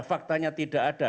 faktanya tidak ada